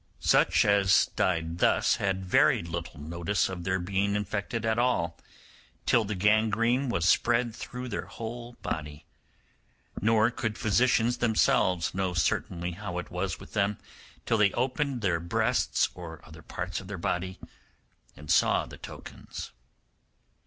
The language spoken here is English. Such as died thus had very little notice of their being infected at all till the gangrene was spread through their whole body; nor could physicians themselves know certainly how it was with them till they opened their breasts or other parts of their body and saw the tokens.